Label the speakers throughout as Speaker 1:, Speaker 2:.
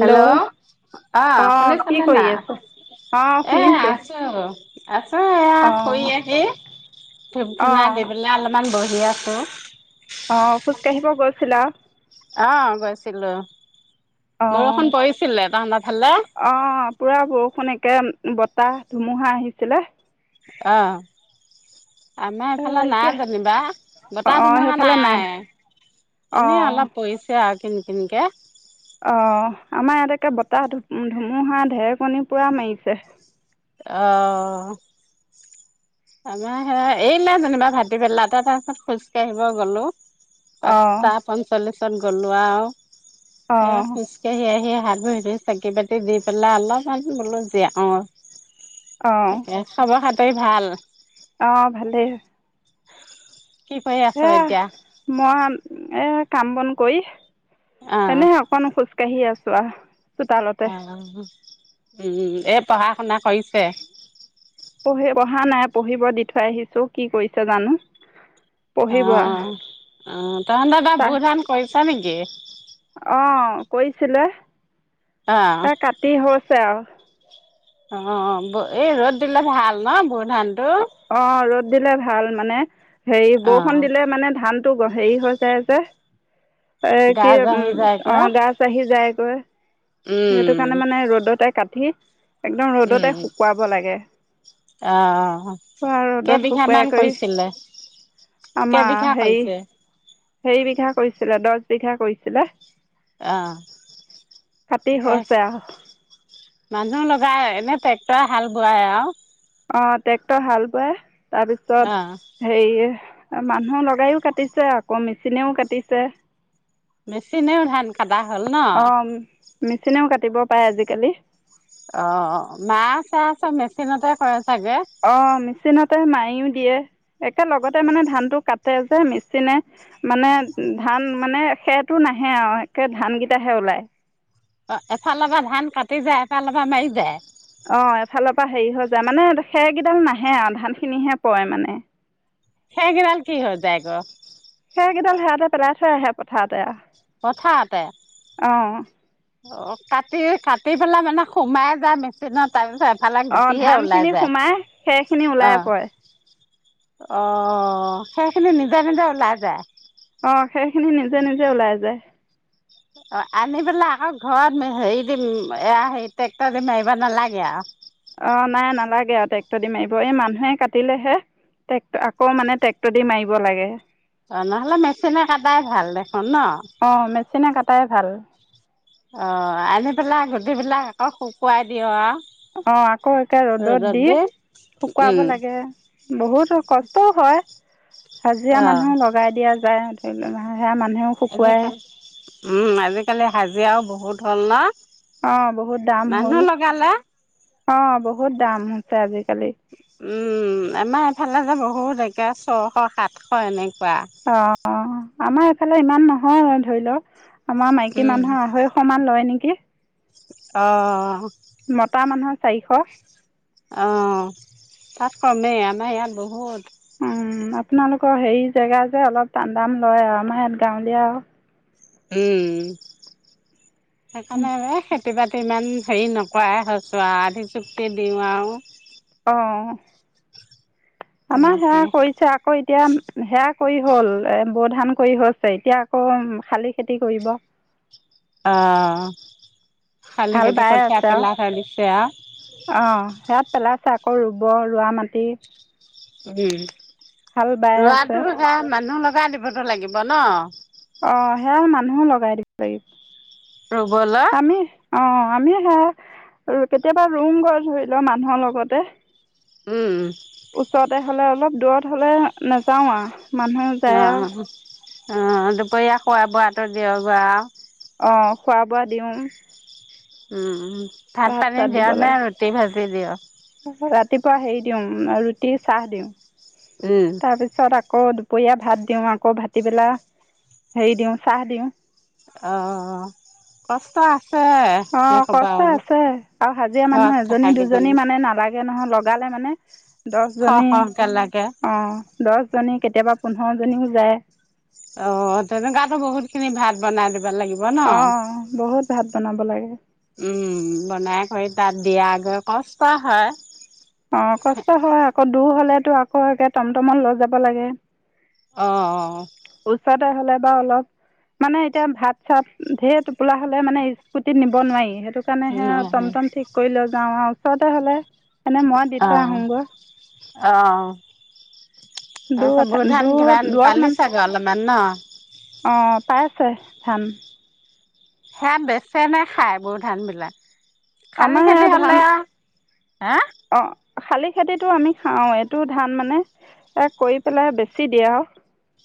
Speaker 1: Hello অহ
Speaker 2: অঁ কি
Speaker 1: শুনিছানে
Speaker 2: কৰি
Speaker 1: নাই,
Speaker 2: আছে অঁ
Speaker 1: এ
Speaker 2: শুনিছোঁ
Speaker 1: আছো আ অ' এয়া ফুৰি
Speaker 2: অঁ
Speaker 1: আহি ধূপ ধূনা
Speaker 2: অঁ
Speaker 1: দি পেলাই অলপমান বহি। বিয়াটো
Speaker 2: অ, খোজ কাঢ়িব গৈছিলা?
Speaker 1: অ গৈছিলো। বৰষুণ
Speaker 2: অ'
Speaker 1: পৰিছিলে তহঁতৰ ফালে
Speaker 2: অ' পোৰা বৰষুণেই তাকে বতাহ ধুমুহা আহিছিলে।
Speaker 1: অহ আমাৰ
Speaker 2: এ
Speaker 1: এইফালে
Speaker 2: এতিয়া
Speaker 1: নাই যেনিবা বতাহ
Speaker 2: অঁ
Speaker 1: ধুমুহা
Speaker 2: সেইফালে
Speaker 1: নাই এনেই
Speaker 2: অঁ
Speaker 1: অলপ পৰিছে আৰু কিন কিনকে
Speaker 2: অ'হ, আমাৰ ইয়াতকে বতাহ ধু-ধুমুহা ঢেৰেকনি পুৰা মাৰিছে।
Speaker 1: অঁ আমাৰ হে এৰিলে যেনিবা ভাটিবেলাতে তাৰপিছত খোজকাাঢ়িব গলো [unintelligible]
Speaker 2: অঁ
Speaker 1: পাঁচটা পঞ্চল্লিছ তত গলোৱা আৰু এ
Speaker 2: অঁ
Speaker 1: খোজকাহি আহি সেয়া ভাত ব চাকি পাতি দি পেলাই অলপমান বোলো জিয়াও আও তাকে খাব হাত তই ভাল
Speaker 2: অ', ভালেই
Speaker 1: কি কৰি আছ
Speaker 2: এ
Speaker 1: এতিয়া
Speaker 2: - মই -এ কাম বন কৰি
Speaker 1: অ
Speaker 2: এনেহে অকণ খোজ কাঢ়ি আছ চোৱাহ
Speaker 1: উম [inaudible] উম - এই পঢ়া শুনা কৰিছে।
Speaker 2: পঢ়ি -পঢ়া নাই পঢ়িব দি থৈ আহিছো কি কৰিছে জানো? পঢ়িব
Speaker 1: অ- অ- তহঁত' তাত বু ধান কৰি [unintelligible] তনেেে [inaudible]
Speaker 2: অ ' কৰিছিলে
Speaker 1: অ
Speaker 2: ত কাটি হচ ছ '
Speaker 1: অ - বো এই ৰ'দ দিলে ভাল ন বোৰ ধান টো
Speaker 2: অ -অ ৰ'দ দিলে ভাল মানে। হেৰি
Speaker 1: অ
Speaker 2: বৰষুণ দিলে মানে ধান টো -হেৰি হৈ যায় যে এ
Speaker 1: গা
Speaker 2: কিম
Speaker 1: জাহি
Speaker 2: অ
Speaker 1: যায়গৈ
Speaker 2: গাছ আহি যায় [unintelligible] ক ' সেইটো
Speaker 1: উম
Speaker 2: কাৰণে মানে ৰ'দত এক কাঠি একদম
Speaker 1: উম
Speaker 2: ৰ'দতে শুকুৱাব লাগে,
Speaker 1: অ
Speaker 2: অ ৰ'দত
Speaker 1: কেইবিঘা মান
Speaker 2: শুকুৱাই কৰি
Speaker 1: কৰিছিলে
Speaker 2: আমাৰ
Speaker 1: কেইবিঘা
Speaker 2: হেৰি।
Speaker 1: কৰিছে
Speaker 2: হেৰি বিঘা কৰিছিলে দচ বিঘা কৰিছিলে
Speaker 1: আহ
Speaker 2: কাটি হৈছে
Speaker 1: তাৰ
Speaker 2: আৰু
Speaker 1: মানুহ লগ যায় এনে ট্ৰেক্টৰ হাল বোৱাই আৰু
Speaker 2: অ', ট্ৰেক্টৰ হাল বাই। তাৰপিছত
Speaker 1: অ
Speaker 2: হেৰিয়ে- মানুহ লগায়ো কাটিছে, আকৌ মেচিনেও কাটিছে।
Speaker 1: মেচিনেও ধান কাদা হ'ল ন?
Speaker 2: অ' মেচিনেও কাটিব পাৰে আজিকালি।
Speaker 1: অ', মা চা চব মেচিনতে কৰাইছো।
Speaker 2: অ', মি- - মেচিনতে মায়িও দিয়ে। একে লগতে মানে ধান টো কাট- তাতে যে মিচিনে মানে ধান মানে সেইটো নাহে আৰু একে ধান কেইটাহে ওলাই।
Speaker 1: অ', এফালৰ পৰা ধান কাটি যায়, এফালৰ পৰা মাৰি যায়।
Speaker 2: অ', এফালৰ পৰা হেৰি হৈ যায় মানে খেৰকেইডাল নাহে আৰু ধান খিনিহে পৰে মানে।
Speaker 1: সেইগিডাল কি হৈ যায় গৈ?
Speaker 2: সেই গিডাল সেয়াতে পেলাই থৈ আহে পথায়তে আ'।
Speaker 1: পথাৰতে-
Speaker 2: অ', -
Speaker 1: অ কাটি, কাটি পেলাই মানে সোমাই যা মেচিনত তাৰপিছত এফালে
Speaker 2: অ',
Speaker 1: গুটিহে
Speaker 2: ধান
Speaker 1: ওলাই
Speaker 2: খিনি
Speaker 1: যায়
Speaker 2: সোমাই খেৰখিনি ওলাই পৰে।
Speaker 1: অ' অ, খেৰখিনি নিজে নিজে ওলাই যায়।
Speaker 2: অ', খেৰখিনি নিজে নিজে ওলাই যায়।
Speaker 1: অ', আনি পেলাই আকৌ ঘৰত হেৰি দিম এয়া ট্ৰেক্টৰ দি মাৰিব নালাগে আৰু।
Speaker 2: অ', নাই নালাগে আৰু ট্ৰেক্ট দি মাৰিব এই মানুহে কাটিলেহে! টেক্ট আকৌ মানে টেক্টৰ দি মাৰি দিব লাগে।
Speaker 1: অ', নহ'লে মেচিনে কাটাই ভাল দেখোন ন!
Speaker 2: অঁ মেচিনে কটাই ভাল
Speaker 1: অ', আনি পেলাই গুটিবিলাক আকৌ শুকুৱাই দিঅ' আওঁ।
Speaker 2: অ', আকৌ একে ৰ'দত দি শুকুৱাব
Speaker 1: উম
Speaker 2: লাগে বহুতো কষ্টও হয়। হাজিৰা
Speaker 1: অ
Speaker 2: মানুহ লগাই দিয়া যায়। [inaudible] সেয়া মানুহেও শুকুৱাই।
Speaker 1: ওম, আজিকালি হাজিৰাও বহুত হ'ল ন?
Speaker 2: অ ', বহুত দাম হ'ল।
Speaker 1: মানুহ লগালে
Speaker 2: অ', বহুত দাম হৈছে আজি।
Speaker 1: উম আমা ইফালে যে বহুত একে ছশ সাতশ এনে
Speaker 2: অ',। আমাৰ এইফালে ইমান নহয় ধৰি লওক আমাৰ মাইকী
Speaker 1: উম
Speaker 2: মানুহৰ আঢ়ৈশ সমান লয় নেকি? কি?
Speaker 1: অ'
Speaker 2: মতা মানুহৰ চাৰিশ।
Speaker 1: কমে আমাৰ ইয়াত বহুত।
Speaker 2: উম আপোনালোকৰ হেৰি জেগা যে অলপ টান দাম লয় আৰু আমাৰ ইয়াত গাঁৱলীয়া আৰু।
Speaker 1: উম সেইকাৰণে হে খেতি-বাতি ইমান হেৰি নকৰাই হৈছোঁ আও, আধি চুক্তি দিওঁ আৰু।
Speaker 2: অ আমাৰ
Speaker 1: তেনেকে
Speaker 2: সেআ কৰিছে আকৌ এতিয়া [unintelligible] সেয়া কৰি হ'ল, এ বড়ো ধান কৰি হৈছে এতিয়া আকৌ শালি খেতি কৰিব।
Speaker 1: অহ, শালি
Speaker 2: হাল
Speaker 1: খেতি
Speaker 2: বাই
Speaker 1: কঠীয়া
Speaker 2: আছে আৰু
Speaker 1: পেলাই থৈ দিছে আও।
Speaker 2: অঁ সেয়াত পেলাইছে আকৌ ৰুব, ৰোৱা মাটি
Speaker 1: উম
Speaker 2: হাল বাই আছে
Speaker 1: ৰোৱাটো সেইয়া মানুহ লগ চাহ দিবতো লাগিব ন?
Speaker 2: অ সেয়া মানুহো লগাই দিব লাগিব
Speaker 1: ৰুবলৈ
Speaker 2: আমিহ অ আমি সেই কেতিয়াবা ৰুম গৈ ধৰি লও মানুহৰ লগতে।
Speaker 1: উম
Speaker 2: ওচৰতে হ'লে অলপ দূৰত হ'লে নাযাও আ। মানুহ যায় আৰু।
Speaker 1: অ দুপৰীয়া খোৱা বোৱাটো দিয় [unintelligible] বৰা
Speaker 2: অ খোৱা-বোৱা দিওঁ।
Speaker 1: উম উ
Speaker 2: ভাত
Speaker 1: ভাত-পানী
Speaker 2: চাত দিব
Speaker 1: দিওঁ নে
Speaker 2: লাগে
Speaker 1: ৰুটি-ভাজি দিওঁ?
Speaker 2: ৰাতিপুৱা হেৰি দিওঁ, উম ৰুটি চাহ দিওঁ।
Speaker 1: উম
Speaker 2: তাৰপিছত আকৌ দু [unintelligible] দুপৰীয়া ভাত দিওঁ আকৌ ভাটিবেলা, হেৰি দিওঁ চাহ দিওঁ।
Speaker 1: অ কষ্ট আছে
Speaker 2: অ
Speaker 1: সেই ক'বা
Speaker 2: কষ্ট
Speaker 1: আৰু
Speaker 2: আছে আৰু হাজিৰা
Speaker 1: ঘৰত
Speaker 2: মানুহ
Speaker 1: থকা
Speaker 2: এজনী
Speaker 1: কেইজনী
Speaker 2: দুজনী মানে নালাগে নহয় লগালে মানে। দচ
Speaker 1: খৰ
Speaker 2: জনী,
Speaker 1: খৰকে লাগে
Speaker 2: অ দহজনীক। কেতিয়াবা পোন্ধৰজনীও যায়।
Speaker 1: অ তেনেকুৱাতো বহুত খিনি ভাত বনাই দিব ভাল লাগিব ন।
Speaker 2: অ বহুত ভাত বনাব লাগে
Speaker 1: উম বনাই কৰি [inaudible] তাত দিয়া আগৈ কষ্ট হয়।
Speaker 2: অ', কষ্ট হয় অকন দূৰ হ'লেতো আকৌ একে টমটমত লৈ যাব লাগে
Speaker 1: অ- অ -অ
Speaker 2: ওচৰতে হ'লে বাও অলপ, মানে এতিয়া ভাত-চাত ঢেৰ টোপোলা হ'লে মানে স্কুটিত নিব নোৱাৰি সেইটো কাৰণেহে আও টমটম ঠিক কৰি লৈ যাওঁ আও অ তে হলে এনে মই দি থৈ আহোগৈ।
Speaker 1: অ'। তাপিছত
Speaker 2: দূৰত
Speaker 1: বওধান
Speaker 2: দূৰত
Speaker 1: কিমান পালি চাগৈ অলমান ন? [unintelligible]
Speaker 2: অ' পাই আছে ধান
Speaker 1: সেয়া বেচে নে খায় বৰু ধানবিলাক? খালি
Speaker 2: আমাৰ
Speaker 1: খেতি
Speaker 2: সেয়া ধান
Speaker 1: হ'লে আও হা
Speaker 2: অঁ শালি খেতিটো আমি খাওঁ এইটো ধান মানে এ কৰি পেলাই বেছি দিয়ে আও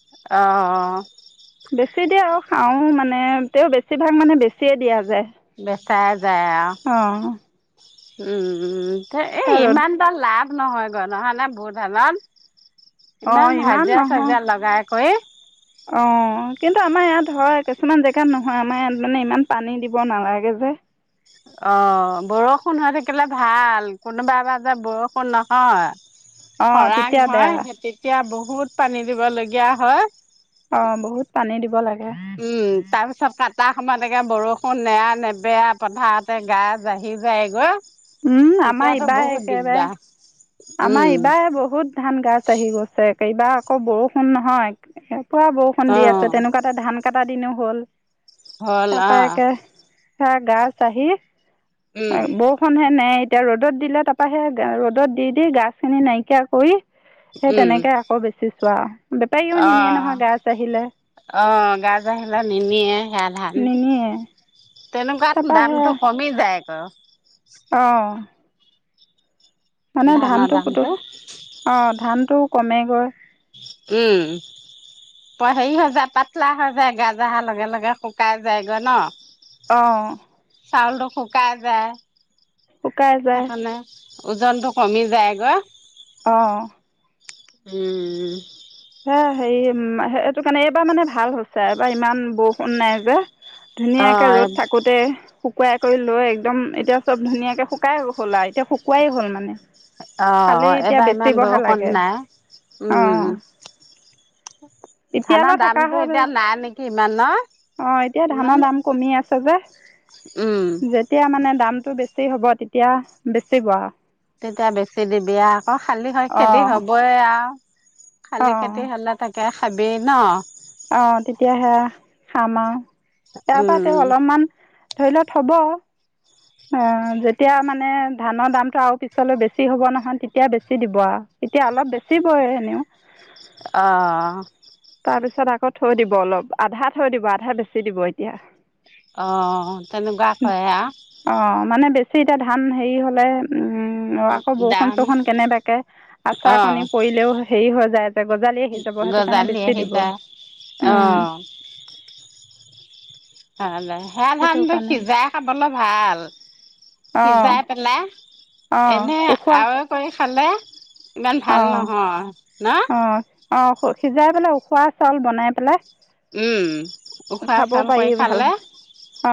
Speaker 1: অ, অ, অ-
Speaker 2: বেছি দিয়ে আৰু খাওঁ মানে, তেওঁ বেছিভাগ মানে বেছিয়ে দিয়া যায়
Speaker 1: বেচাই [unintelligible]
Speaker 2: অঁ
Speaker 1: উম উম- এই,
Speaker 2: ৰ'দ
Speaker 1: ইমানটা লাভ নহয়গৈ নহয় নে বুধানত [unintelligible]
Speaker 2: অঁ
Speaker 1: ইমান হাজিৰা-চাজিৰা লগাই কই
Speaker 2: অ' কিন্তু আমাৰ ইয়াত হয় কিছুমান জেগাত নহয় আমাৰ ইয়াত মানে ইমান পানী দিব নালাগে যে!
Speaker 1: অ' বৰষুণ হৈ থাকিলে ভাল, কোনোবা এবা যে বৰষুণ নহয়
Speaker 2: অঁ
Speaker 1: খৰাং
Speaker 2: তেতিয়া বেয়া
Speaker 1: হয় তেতিয়া বহুত বহুত পানী দিবলগীয়া হয়।
Speaker 2: অ' বহুত পানী দিব লাগে উম উ [inaudible]
Speaker 1: তাৰ পিছত কটা সময়ত একেবা বৰষুণ নেৰা-নেপেৰা পথাৰতে গা জাহি যায়গৈ।
Speaker 2: উম আমা
Speaker 1: তেতিয়াতো
Speaker 2: ইবা
Speaker 1: বহুত
Speaker 2: একেবাৰে
Speaker 1: দিগদাৰ
Speaker 2: আমাৰ
Speaker 1: উম
Speaker 2: এইবাৰ বহুত ধান গছ আহি গৈছে এইবাৰ আকৌ বৰষুণ নহয় পুৱা বৰষুণ
Speaker 1: অ
Speaker 2: দি আছে তেনেকুৱাতে ধানকটা দিনো হল [unintelligible]
Speaker 1: হ'ল আ
Speaker 2: হা, গা-চাহি। এ
Speaker 1: উম
Speaker 2: বৰষুণ হে নেই এতিয়া ৰ'দত দিলে তাৰপৰা হে ৰ'দত দি ই গাছখিনি নাইকিয়া কৰি সেই তেনেকে আকৌ বেছি। চোৱাহ।
Speaker 1: অ-অ-অ-অ গাজ আহিলে নিনিয়ে সেয়া ধান
Speaker 2: নিনিয়ে
Speaker 1: তেনেকুৱাত
Speaker 2: তাৰপৰা সেয়া
Speaker 1: দামটো কমি যায় আকৌ।
Speaker 2: অঁ মানে
Speaker 1: ধানৰ
Speaker 2: ধানটো পুতো
Speaker 1: দামটো
Speaker 2: অ' ধানটো কমেগৈ।
Speaker 1: উম, প হেৰি হৈ যায় পাতলা হৈ যায়, গাজ অহাৰ লগে লগে শুকাই যায়গৈ ন?
Speaker 2: অহ।
Speaker 1: চাউলটো শুকাই যায়।
Speaker 2: শুকাই যায়
Speaker 1: সেইকাৰণে। ওজনটো কমি যায়গৈ।
Speaker 2: অহ।
Speaker 1: উম'।
Speaker 2: হে, হেৰি এইটো কাৰণে এইবাৰ মানে ভাল হৈছে এইবাৰ ইমান বৰষুণ নাই যে।
Speaker 1: অ
Speaker 2: ধুনীয়াকে ৰ'দ থাকোঁতে শুকুৱাই কৰি লৈ একদম এতিয়া চব ধুনীয়াকে শুকাই হ'ল আৰু এতিয়া শুকুৱাই হ'ল মানে। খালি
Speaker 1: অ'
Speaker 2: এতিয়া
Speaker 1: এইবাৰ ইমান
Speaker 2: বেচিবহে
Speaker 1: বৰষুণ
Speaker 2: লাগে
Speaker 1: নাই!
Speaker 2: অঁ
Speaker 1: উম
Speaker 2: এতিয়ালৈ
Speaker 1: ধানৰ
Speaker 2: থকা
Speaker 1: দামটো
Speaker 2: হ'ল
Speaker 1: এতিয়া নাই নেকি ইমান ন? ইমান
Speaker 2: চাগে।
Speaker 1: উম
Speaker 2: যেতিয়া মানে দাম। টো বেছি হ'ব তেতিয়া বেছিব আও।
Speaker 1: তেতিয়া বেছি দিবিয়ে আকৌ শালি হয় খেতি
Speaker 2: অঁ
Speaker 1: হ'বই আও। খালি
Speaker 2: অঁ
Speaker 1: খেতি হালা থাকে। খাবি ন?
Speaker 2: অ' তেতিয়াাহে খাম আৰু। তাৰপা
Speaker 1: উম
Speaker 2: তেওঁ অলপমান ধৰি ল থ'ব। অ' যেতিয়া মানে ধানৰ দামটো আৰু পিছলৈ বেছি হ'ব নহয়, তেতিয়া বেছি দিব আও। এতিয়া অলপ বেচিবই এনেও।
Speaker 1: অহ।
Speaker 2: তাৰপিছত আকৌ থৈ দিব অলপ, আধা থৈ দিব আধা বেছি দিব এতিয়া।
Speaker 1: অ' তেনেকুৱা কএ আও
Speaker 2: অঁ মানে বেছি এতিয়া ধান হেৰি হ'লে, উম', অ' আকৌ বৰষুণ
Speaker 1: দাম
Speaker 2: চৰষুণ কেনেবাকে আচাৰ
Speaker 1: অ
Speaker 2: কণী পৰিলেও হেৰি হৈ যায়। গজালি আহি যাব সেইটো কাৰণে [unintelligible]
Speaker 1: [unintelligible] অহ। [unintelligible] [unintelligible]
Speaker 2: সেইটো
Speaker 1: ধানবোৰ
Speaker 2: কাৰণে
Speaker 1: সিজাই খাবলৈ ভাল।
Speaker 2: অঁ
Speaker 1: সিজাই পেলাই
Speaker 2: অঁ
Speaker 1: এনেই
Speaker 2: উখোৱা
Speaker 1: আৱৈ কৰি খালে [unintelligible] ইমান ভাল
Speaker 2: অঁ
Speaker 1: নহয় ন?
Speaker 2: অঁ অঁ সিজাই পেলাই উখোৱা চাউল বনাই পেলাই
Speaker 1: উম উখোৱা
Speaker 2: খাব
Speaker 1: চাউল
Speaker 2: পাৰি
Speaker 1: কৰি
Speaker 2: ভাল
Speaker 1: খালে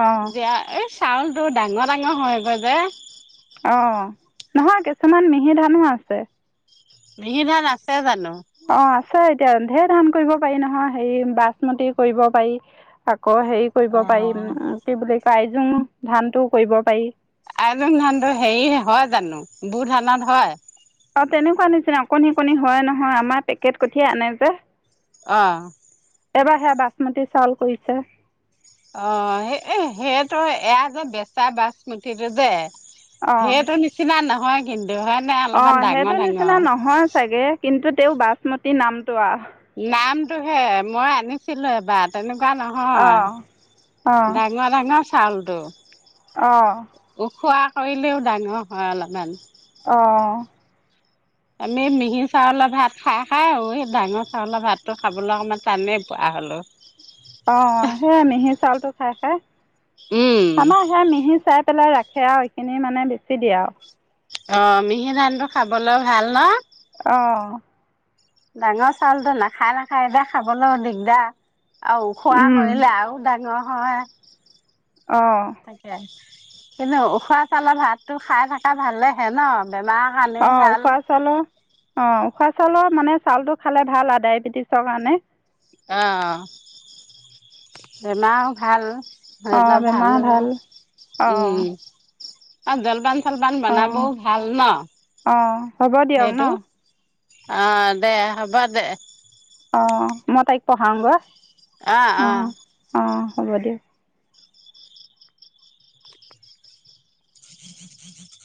Speaker 2: অঁ
Speaker 1: এই চাউলটো ডাঙৰ নহয়গৈ যে।
Speaker 2: অ নহয় কিছুমান মিহি ধানো আছে।
Speaker 1: মিহি ধান আছে জানো?
Speaker 2: অ আ নিশ্চয় এতিয়া ধেৰ ধান কৰিব পাৰি নহয় হেৰি বাচমতি কৰিব পাৰি আকৌ হেৰি কৰিব পাৰিম
Speaker 1: অ'।
Speaker 2: কি বুলি প্ৰায়জোং ধানটো কৰিব পাৰি।
Speaker 1: আইজুং ধানটো হেৰি হয় জানো, বু ধানত হয়?
Speaker 2: অ তেনেকুৱা নিচিনা অকণি অকণি হয় নহয় আমাৰ পেকেট কঠিয়াই আনে যে।
Speaker 1: অঁহ
Speaker 2: এবাৰ সেয়া বাচমতী চাউল কৰিছে
Speaker 1: অ স এ সেইটো এয়া যে বেচা বাচমতিটো যে, সেইটো নিচিনা ন হয় কিন্তু হয় নে
Speaker 2: অ
Speaker 1: অলপমান ডাঙৰ
Speaker 2: সেইটো
Speaker 1: ডাঙৰ।
Speaker 2: নিচিনা নহয় চাগে কিন্তু তেওঁ বাচমতি নাম
Speaker 1: নাম হে মই আনিছিলো এবাৰ তেনেকুৱা [inaudible]
Speaker 2: অঁ
Speaker 1: নহয়। ডাঙৰ ডাঙৰ [unintelligible] ফালটু
Speaker 2: অ
Speaker 1: খোৱা কৰিলেও ডাঙৰ হয় অলপমান
Speaker 2: অ
Speaker 1: আমি মিহি চাউলৰ ভাত খাই খাই আৰু সেই ডাঙৰ চাউলৰ ভাতটো খাবলৈ অকণমান টানেই পোৱা হ'লো।
Speaker 2: অ, সেইয়া মিহি চাউলটো খাই খাই
Speaker 1: উম।
Speaker 2: আমাৰ সেয়া মিহি চাই পেলাই ৰাখে। সেয়া আৰু এইখিনি মানে বেছি দিয়ে আৰু
Speaker 1: অ মিহি ধান টো খাবলৈ ভাল ন?
Speaker 2: অ
Speaker 1: ডাঙৰ চাউলটো নাখায় নাখায় এতিয়া খাবলৈও দিগদাৰ। আৰু ওখোৱা কৰিলে আৰু ডাঙৰ হয়।
Speaker 2: অঁ
Speaker 1: তাকে। কিন্তু উখোৱা চাউলৰ ভাতটো খাই থকা ভালেহে ন? বেমাৰৰ কাৰণেও
Speaker 2: অ'
Speaker 1: ভাল।
Speaker 2: উখুৱা চাউলৰ, অ' উখুৱা চাউ চাউলৰ মানে চাউলটো খালে ভাল আৰু ডায়েবেটিছৰ কাৰণে।
Speaker 1: অ' অ' বেমাৰো ভাল। হেল'
Speaker 2: অঁ
Speaker 1: [inaudible]
Speaker 2: বেমাৰ
Speaker 1: ভালো
Speaker 2: ভাল অঁ
Speaker 1: উম। [inaudible] ফলপান [unintelligible]
Speaker 2: অঁ
Speaker 1: বনাবও ভাল ন?
Speaker 2: অঁ হ'ব দিয়ক ন
Speaker 1: সেইটো। অ' দে হ'ব দে।
Speaker 2: অ' মই তাইক পঢ়াওঁগৈ।
Speaker 1: আ'- আ'
Speaker 2: অঁ অঁ হ'ব দিয়ক।